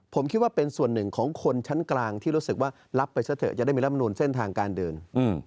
ผมคิดว่าเป็นส่วนหนึ่งของคนชั้นกลางที่รู้สึกว่ารับไปซะเถอะจะได้มีรำนูลเส้นทางการเดิน